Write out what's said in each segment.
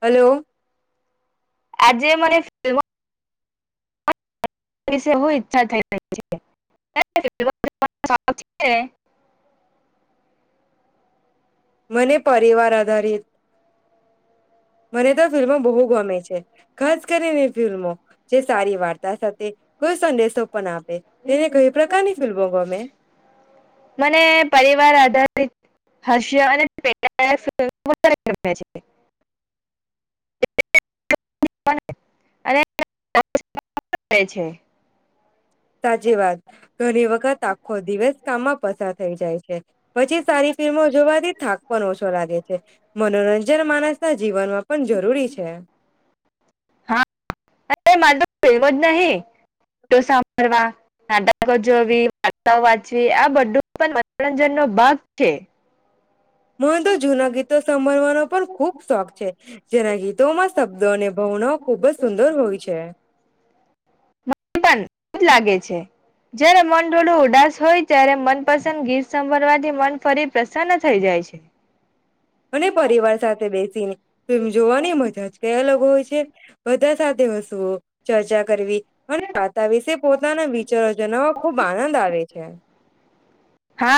Hello. આજે મને film. વિુ ઈચ્છા થઈ રહી છે [unintelligible] મને પરિવાર આધારિત. મને તો ફિલ્મો બહુ ગમે છે, ખાસ કરીને ફિલ્મો જે સારી વા. સાથે કોઈ સંદેશો પણ આપ. મને પરિવાર આધારિત. હર્ષિયા અને. [inaudible] [inaudible] અનેે [inaudible] છે. સાચી વાત. ઘણી વખત આખો દિવસ કામમાં પસાર થઈ જાય છે. પછી સારી ફિલ્મો જોવાથી થાક પણ ઓછો લાગે છે. મનોરંજન માણસના જીવનમાં પણ જરૂરી છે. એવ જ નહી તો સાંભળવા, નાટકો જોવી, વાર્તાઓ વાચવી આ બધું પણ મનોરંજનનો ભાગ થે. મને તો જૂના ગીતો સાંભળવાનો પણ ખૂબ શોખ છે. જેના ગીતોમાં શબ્દો અને ભવનાઓ ખૂબ જ સુંદર હોય છે. મ [inaudible] પણ જ લાગે છે. જ્યારે મન થોડું ઉદાસ હોય ત્યારે, મનપસંદ ગીત સાભળવાથી મન ફરી પ્રસન્ન થઈ જાય છે. અને પરિવાર સાથે બેસીને ફિલ્મ જોવાની મજા જ કઈ અલગ હોય છે. બધ બધા સાથે હસવું, ચર્ચા કરવી અને વાતા વિશે પોતાના વિચારો જણાવા ખૂબ આનંદ આવે છે. હા.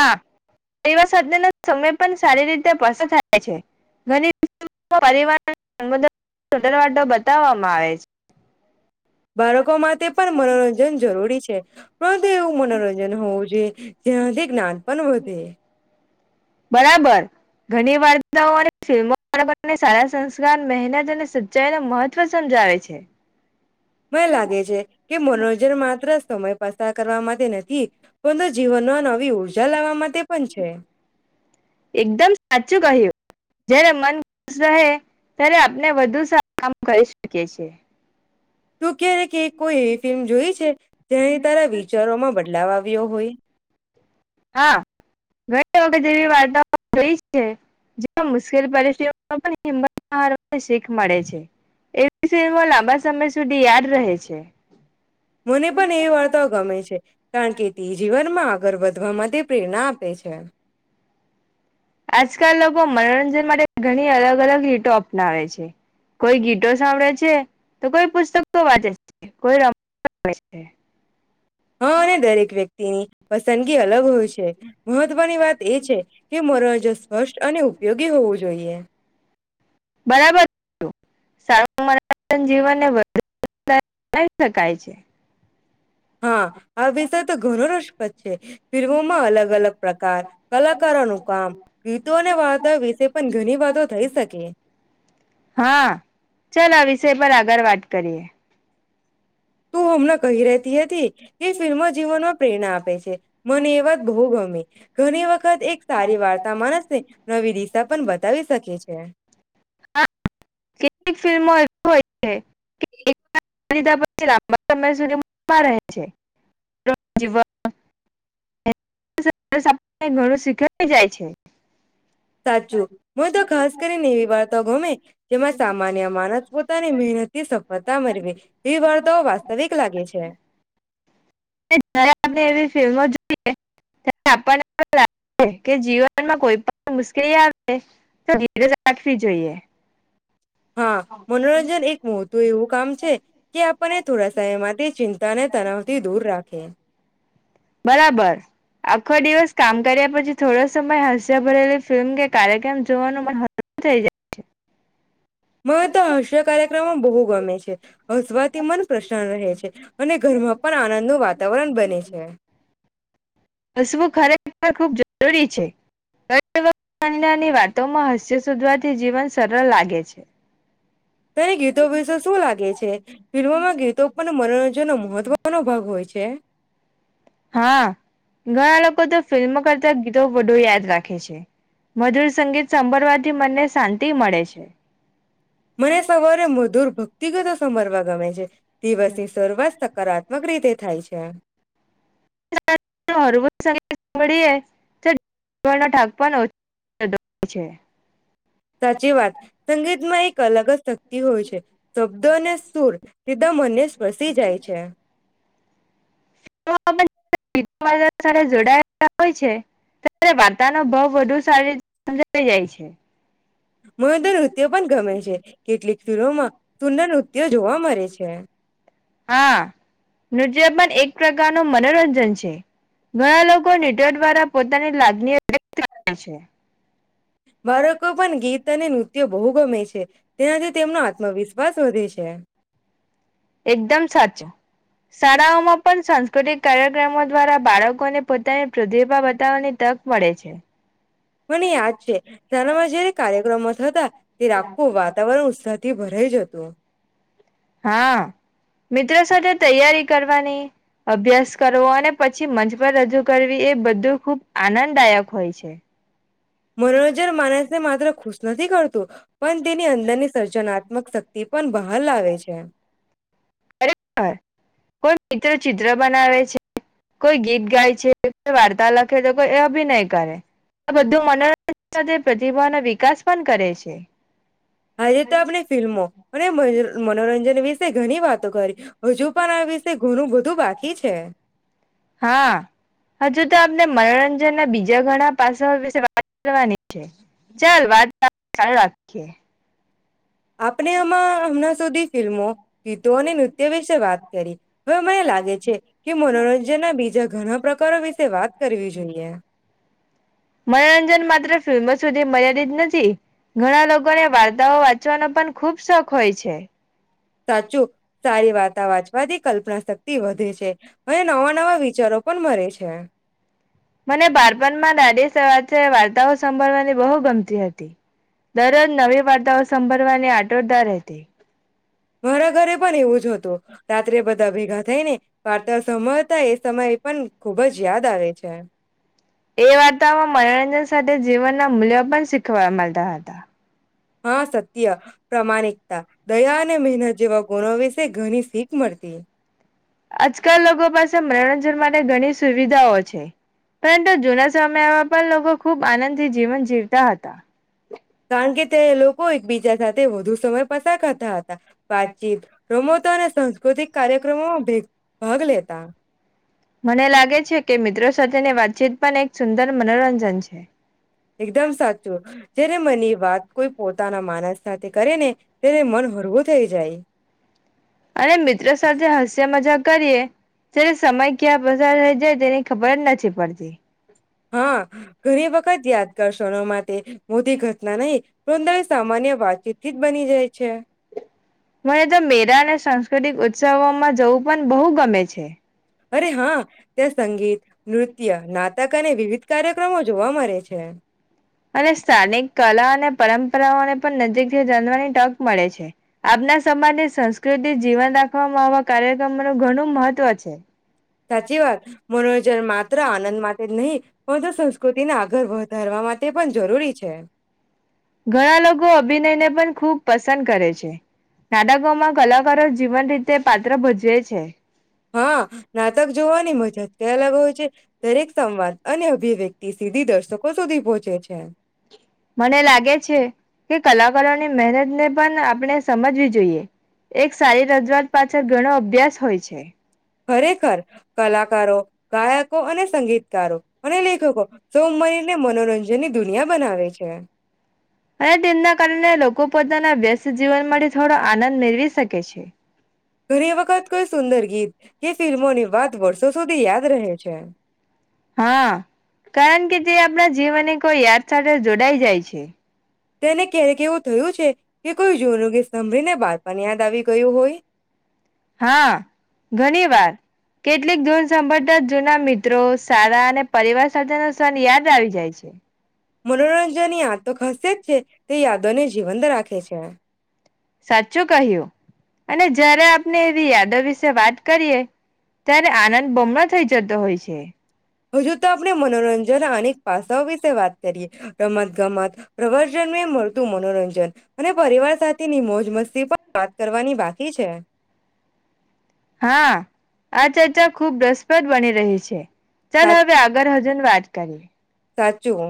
પરિવાર સાથેનો સમય પણ સારી રીતે પસાર થાય છે. ઘની [inaudible] પરિવાર [inaudible] બતાવા માં આવે છ. બાળકો માટે પણ મનોરંજન જરૂરી છે. પણ તે એવું મનોરંજન હોવું જોએ જેનાથી જ્ઞાન પણ વધે. બરાબર ઘણી વાર્તાઓ અને ફિલ્મો પણ આપણને સારા સંસ્કાર, મહેનત અને સચ્ચાઈ નો મહત્વ સમજાવે છે. મને લાગે છે કે, મનોરંજન માત્ર સમય પસાર કરવામા તે નથી પરંતુ જીવનમાં નવી ઉર્જા લાવા માટે પન છે. જ્યારે મન ખુશ રહે, ત્યારે આપને વધુ સા [inaudible] કામ કરી શકીએ છીએ. તૂ કેને કે. કોઈ એવી ફિલ્મ જોઈ છે, જેનાઈ તારા વિચારોમાં બદલાવ આવ વ્યો હોય. હા, ઘણી વખત એવી વાર્તાઓ જોઈ છે. જેમાં મુશ્કેલ પરીસથીઓમાં પણ હિંમત ન હારવાની શીખ મળે છે. એ [inaudible] લાંબા સમય સુધી યાદ રહે છે. મને પણ એ વાર્તાઓ ગમે છે. કારણ કે, તે જીવનમાં આગળ વધ ધવા માટે પ્રેરણા આપે છે. આજકાલ લોકો મનોરંજન માટે ઘણી અલગ અલગ રીતો અપનાવે છે. કોઈ ગીતો સાંભળે છે, તો કોઈ પુસ્તકો વાંચે છે, કોઈ રમ [inaudible] છે. હા, અને દરેક વ્યક્તિની પસંદગી અલગ હોય છે. મહત્વની વાત એ છે કે, મનોરજન સ્પષ્ટ અને ઉપયોગી હોવું જોઈએ. બરાબર [inaudible] સારું મનોરજન જીવનને વધુ [inaudible] શકાય છે. હા, આ વિષય તો ઘણો રષપ્રદ છે. ફિલ્મોમાં અલગ અલગ પ્રકાર, કલાકારોનું કામ, ગીતો અને વાર્તાઓ વિશે પણ ઘણી વાતો થઈ શકે. સય પર આગળ વાત કરીએ. તું હમણાં કહી રેહતી હતી કે, ફિલ્મો જીવનમાં પ્રેરણા આપે છે. મને એ વાત બહુ ગમી ઘણી વખત એક સારી વાર્તા માણસને નવી દિશા પણ બતાવી શકે છે. કે હા કેટલીક ફિલ્મો હોય છે. એક પછી લાંબા સમય સુધી રહે છે [unintelligible] શીખ [inaudible] સાચું હ તો ખાસ કરીને એવી વાર્તો ગમે જેમાં જ્યારે સામાન્ય માનસ પોતાની મહેનત થી સફળતા મેળવી એવી વાર્તાઓ વાસ્તવિક લાગે છે. જ આપ એવી ફિલ્મો જોઈએ ત આપને લાગ કે જીવનમાં કોઈ પણ મુશ્કેલી આવે તો ધીરજ રાખવી જોઈએ. હા મનોરંજન એક મોતું એવું કામ છે કે આપણને થોડા સમય માટે ચિંતા અને તણવથી દૂર રાખે. બરાબર આખો દિવસ કામ કર્યા પછી થોડો સમય હસ્યા ભરેલી ફિલ્મ કે કાર્યક્રમ જોવાનું મન હળવું થઈ જાય છે. મને તો હાસ્ય કાર્યક્રમો બહુ ગમે છે હસવાથી મન પ્રશન્ન રહે છે અને ઘરમાં પણ આનંદ નો વાતાવરણ બને છે. હસવું ખરેખર ખૂબ જરૂરી છેની [unintelligible] વાતોમાં હસ્ય શોધવાથી જીવન સરળ લાગે છે. તેને ગીતો વિશે શું લાગે છે ફિલ્મોમાં ગીતો પણ મનોરંજનનો મહત્વનો ભાગ હોય છે. હા ઘણા લોકો તો ફિલ્મો કરતા ગીતો વધુ યાદ રાખે છે. મધુર સંગીત સાંભળવાથી મને શાંતિ મળે છે. મને સવારે મધુર ભક્તિગતો સમરવા ગમે છે. દિવસની શરૂવાત હકારાત્મક રીતે થાય છે. [unintelligible] હળવું સંગીત સાંભળીયે તો દિવસ નો થાક પણ ઓછો થાય છે. સાચી વાત, સંગીતમાં એક અલગ જ શક્તિ હોય છે, શબ્દ અને સુર સીધા મનને સ્પસી જાય છે. સાથે જોડાયેલા હોય છે્યારે વાર્તા ન ભાવ વધુ સારી રીતે સમજી જાય છે. [unintelligible] મહદ નૃત્ય પણ ગમે છે કેટલીક ફિલ્લોમાં સુંદર નૃત્યો જોવા મળે છે. હા નૃત્ય પણ એક પ્રકાર નો મનોરંજન છે. ઘણા લોકોને દ્વારા પોતાની લાદણીઓ વ્યક્ત કરે છે. બાળકો પણ ગીત અને નૃત્યો બહુ ગમે છે, તેનાથી તેમનો આત્મવિશ્વાસ વધે છે. એકદમ સાચો, શાળાઓમાં પણ સાંસ્કૃતિક કાર્યક્રમો દ્વારા બાળકોને પોતાની પ્રતિભા બતાવવાની તક મળે છે. મને યાદ છે, શાળામાં જયારે કાર્યક્રમો થતા તે રાખું વાતાવરણ ઉત્સાહથી ભર રઈ જતું. હા, મિત્રો સાથે તૈયારી કરવાની અભ્યાસ કરવો અને પછી મંચ પર રજૂ કરવી એ બધું ખૂબ આનંદદાયક હોય છે. મનોરંજન માનસ ને માત્ર ખુશ નથી કરતું. પણ તેની અંદરની સર્જના ત્ક શક્તિ પણ બહાલ આવેે છે. ખરે કોઈ મિત્ર ચિત્ર બનાવે છે, કોઈ ગીત ગાય છે વાર્તા લખે તો કો એ અભિનય કરે, બધું મનોરંજન સાથે પ્રતિભાનો વિકાસ પણ કરે છે. આજે તો આપણે ફિલ્મો, અને મનોરંજન વિશે ઘણી વાતો કરી. હજુ પણ આ વિસે બધું બાકી છે. હા હજુ તો આપણે મનોરંજન ના બીજા ઘણા પાસા વિશે વાત કરવાની છે, ચલ વાત ચાલુ રાખીએ. આપણે આમાં હમણાં સુધી ફિલ્મો, ગીતો અને નૃત્ય વિશે વાત કરી હવે મને લાગે છે, કે મનોરંજનના બીજા ઘણા પ્રકારો વિશે વાત કરવી જોઈએ. મનોરંજન માત્ર ફિલ્મો સુધી મર્યાદીત નથી, ઘણા લોકોને વાર્તાઓ વાંચવાનો પણ ખુબ શોખ હોય છે. સાચું, સારી વાર્તા વાંચવાથી કલ્પના શક્તિ વધે છે. અને નવા નવા વિચારો પણ મળે છે. મને બાળપણમાં દાદી વાર્તાઓ સાંભળવાની બહુ ગમતી હતી, દરરોજ નવી વાર્તાઓ સંંભળવાની આટરદાર રહેતી. મારા ઘરે પણ એવું જ હતું, રાત્રે બધા ભેગા થઈ ને વાર્તા સંભાળતા એ સમય પણ ખુબ જ યાદ આવે છે. એ વાર્તાઓ મનોરંજન સાથે જીવનના મૂલ્યો પણ શીખવા મળતા હતા. હા સત્ય, પ્રામાણિકતા, દયા અને મહેનત જેવા ગુણો વિસ તે ઘણી શીખ મળતી. આજકાલ લોકો પાસે મનોરંજન માટે ઘણી સુવિધાઓ છે. પરંતુ, જુના સમયોમાં પણ લોકો ખૂબ આનંદથી જીવન જીવતા હતા. કારણ કે, તે એ લોકો એકબીજા સાથ તે વધુ સમય પસાર કરતા હતા. વાતચીત રમતો અને સાંસ્કૃતિક કાર્યક્રમોમાં ભે ભાગ લેતા. મને લાગે છે, કે મિત્રો સાથેની વાતચીત પણ એક સુંદર મનોરંજન છે. એકદમ સાચું. જ્યારે મનની વાત કોઈ પોતાના માનસ સાથે કરેને ત્યારે, મન હળવું થઈ જાય. અને મિત્રો સાથે હસ્ય મજા કરીએ. ત્યારે, સમય ક્યાં પસાર થઈ જાય. તેની ખબર જ નથી પડતી. હા, ઘણી વખત યાદ કરશો, એના માટે. મોટી ઘટના નય બની જાય છે. મને તો મેરાને સાસ્કૃતિક સવામાં જવું પણ બહુ ગમે છે. અરે હા, ત્યાં સંગીત, નૃ ત્ય, નાટક અને વિવિધ કાર્યક્રમો જોવા મળે છે. અને સ્થાનિક કલા અને પરંપરાઓને પણ નજીકથી જાણવાની તક મળે છે. આપના સમાજની સંસ્કૃતિ જીવન રાખવાવામાં આવા કાર્યક્રમોનું ઘણું મહત્વ છે. સાચી વાત. મનોરંજન માત્ર આનંદ માટે જ નહીં, પરતું સંસ્કૃતિના ઘર વધારવા માટે પણ જરૂરી છે. ઘણા લોકો અભિનયને પણ ખૂબ પસંદ કરે છે. નાટકોમાં કલાકારો જીવન રીતે પાત્ર ભજવે છે. હ, નાટક જોવાની મજા કય અલગ હોય છે. દરેક સંવાદ અને અભિવ્યક્ત તી સીધી દર્શકો સુધી પહોંચે છે. મને લાગે છે, કે કલાકારોની મહેનતને પણ આપણે સમજવી જોઈએ. એક સારી રજૂઆત પાછળ ઘણો અભ્યાસ હોય છે. ખરેખર કલાકારો, ગાયકો અને સંગીતકારો અને લેખકો સોમમરીને મનોરંજન ની દુનિયા બનાવે છે. અને તેના કારણે, લોકો પોતાના વ્યસ્ત જીવન માટે થોડો આનંદ મેળવી શકે છે. ઘણી વખત કોઈ સુંદર ગીત કે ફિલ્મોની વાત વર્ષો સુધી યાદ રહે છે. હાં, કારણ કે, જે આપણા જીવન કોઈ યાદ સાથે જોડાઈ જાય છે. તેને ક્યારેક એવું થયું છે. કે કોઈ જુનું ગીત સાંભરીને બાળપણ યાદ આવી ગયું હોય. હાં, ઘણીવાર. કેટલીક, ધૂન સંભળતા જ જૂના મિત્રો સારાં અને પરિવાર સાથેનો સન યાદ આવી જાય છે. મનોરંજનની આતો ખસે જ છે, તે યાદોને જીવંત રાખે છે. સાચું કહ્યું. અને જ્યારે આપને એવી યાદો વિશે વાત કરીએ. ત્યારે, આનંદ બમણો થઈ જતો હોય છે. હજુ તો આપણે મનોરંજન અનેક પાસાઓ વિ સે વાત કરીએ. રમત ગમત પ્રવાજન્મે મળતું મનોરંજન, અને પરિવાર સાથેની મોજ મસ્ત પણ વાત કરવાની બાકી છે. હાં, આ ચર્ચા ખુબ રસપ્રદ બની રહી છે. ચાલ સા હવે આગળ હજન વાત કરીએ. સાચું.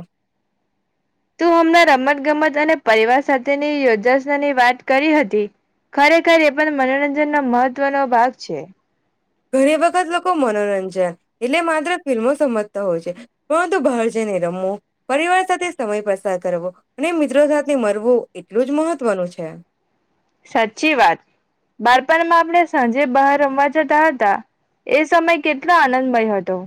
તું હમણાં રમત ગમત અને પરિવાર સાથેની યોજાસનાની વાત કરી હતી, ખરેખર એ પણ મનોરંજનનો મહત્વનો ભાગ છે. ઘણી વખત લોકો મનોરંજન, એટલે માત્ર ફિલ્મો સમજ હોય છે. પરંતુ બહાર જઈને રમવો, પરિવાર સાથે સમય પસાર કરવો, અને મિત્રો સાથે રમવો એટલું જ મહત્વનું છે. બાળપનમાં આપણે સાંજે બહાર રમવા જતાં હતાં, એ સમય કેટલો આનંદમય હતો.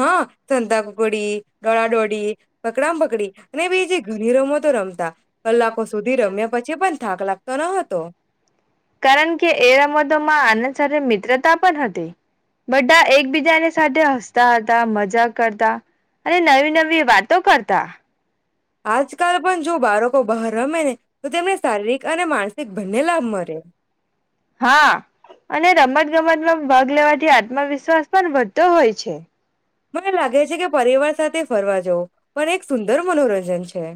હાં સંતાકુકડી ડળડોડી, પકડા પકડી અને બી જે ઘણી રમ તો રમતા. કલાકો સુધી રમ્યા પછી પણ થાક લાગતો ન હતો. કારણ કે, એ રમતોમાં આનંદ સાથે મિત્રતા પણ હતી, બઢા એકબીજાની સાઠે હસતા હતાં, મજા કરતા અને નવી નવી વાટો કરતાં. આજકાલ પણ જો બારકો બહાર રમે ને તો તેમને શારીરિક અને માનસિક બંને લાભ મરે. હાં અને રમત ગમતમાં ભાગ લેવાઠી આત્મવિશ્વાસ પણ વધતો હોય છે. મને લાગે છે કે પરિવાર સાથે ફરવા જવું. પણ એક સુંદર મનોરં જન છે.